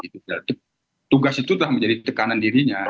tugas itulah menjadi tekanan dirinya